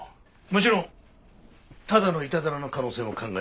もちろんただのいたずらの可能性も考えられる。